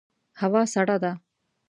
هوا سړه ده